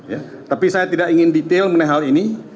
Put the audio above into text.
ya tapi saya tidak ingin detail mengenai hal ini